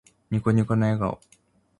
ニコニコな笑顔。